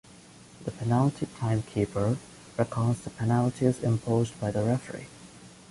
The "penalty timekeeper" records the penalties imposed by the referee.